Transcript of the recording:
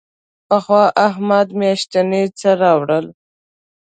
پخوا احمد میاشتنی څه راوړل.